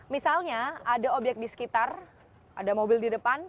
misalnya ada obyek di sekitar ada mobil di depan